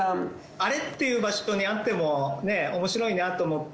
あれ？っていう場所にあってもおもしろいなと思って。